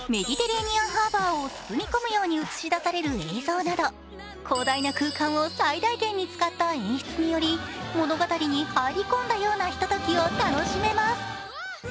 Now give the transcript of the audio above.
夜空を彩るレーザーやメディテレーニアンハーバーを包み込むように映し出される映像など広大な空間を最大限に使った演出により物語に入り込んだようなひとときを楽しめます。